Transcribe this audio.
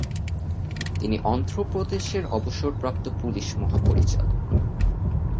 তিনি অন্ধ্র প্রদেশের অবসরপ্রাপ্ত পুলিশ মহাপরিচালক।